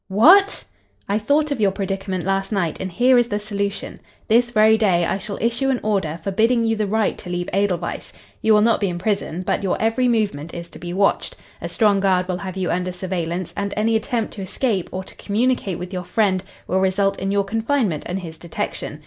"What!" "I thought of your predicament last night, and here is the solution. This very day I shall issue an order forbidding you the right to leave Edelweiss. You will not be in prison, but your every movement is to be watched. A strong guard will have you under surveillance, and any attempt to escape or to communicate with your friend will result in your confinement and his detection.